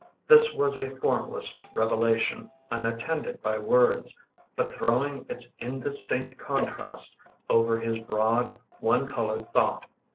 This was a formless revelation, Unattended by words But throwing its indistinct contrast Over his broad one colored thought.